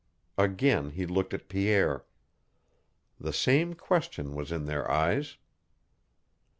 Again he looked at Pierre. The same question was in their eyes.